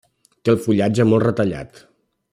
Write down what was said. Té el fullatge molt retallat.